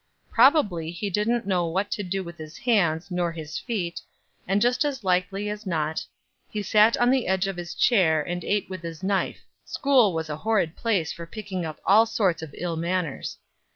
Probably he didn't know what to do with his hands, nor his feet; and just as likely as not he sat on the edge of his chair and ate with his knife school was a horrid place for picking up all sorts of ill manners.